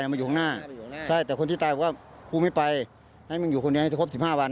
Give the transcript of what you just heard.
มาอยู่ข้างหน้าใช่แต่คนที่ตายก็พูดไม่ไปให้มันอยู่คนเดียวจะครบสิบห้าวัน